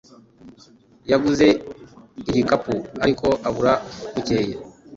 Yaguze igikapu, ariko abura bukeye.